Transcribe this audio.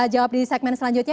jawab di segmen selanjutnya